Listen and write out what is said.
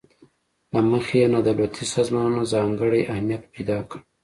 له مخې یې نا دولتي سازمانونو ځانګړی اهمیت پیداکړی.